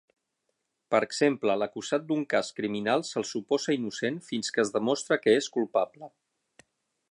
Per exemple, l'acusat d'un cas criminal se'l suposa innocent fins que es demostra que és culpable.